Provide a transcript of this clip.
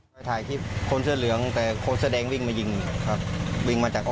วิ่งใกล้วิ่งมาก